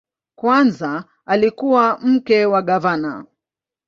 Kwanza alikuwa mke wa gavana.